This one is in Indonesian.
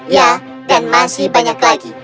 ya dan masih banyak lagi